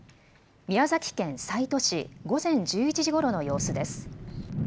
宮崎県西都市、午前１１時ごろの様子です。